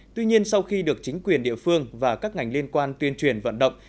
tuy nhiên sau khi được chính quyền địa phương và các ngành liên quan tuyên truyền vận động